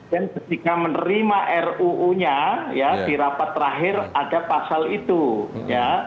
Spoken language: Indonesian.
dan ketika menerima ruu nya ya di rapat terakhir ada pasal itu ya